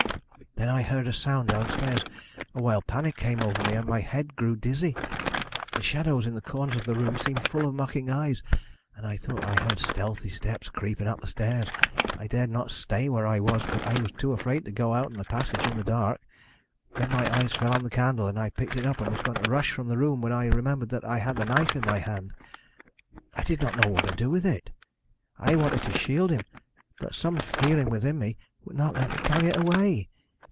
"Then I heard a sound downstairs. A wild panic came over me, and my head grew dizzy. The shadows in the corners of the room seemed full of mocking eyes, and I thought I heard stealthy steps creeping up the stairs. I dared not stay where I was, but I was too afraid to go out into the passage in the dark. Then my eyes fell on the candle, and I picked it up and was going to rush from the room, when I remembered that I had the knife in my hand. "I did not know what to do with it. I wanted to shield him, but some feeling within me would not let me carry it away.